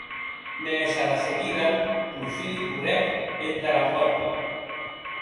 Mès, ara seguida, Porfiri correc entara pòrta.